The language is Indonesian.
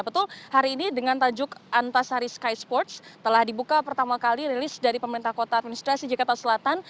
betul hari ini dengan tajuk antasari sky sports telah dibuka pertama kali rilis dari pemerintah kota administrasi jakarta selatan